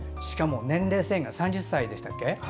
しかも年齢制限が３０歳でしたっけ。